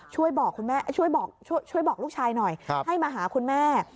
ช่วยบอกลูกชายหน่อยให้มาหาคุณแม่